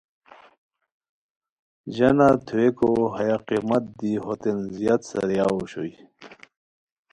ژانہ تھوویکو ہیہ قیمت دی ہوتین زیاد سارئیاؤ اوشوئے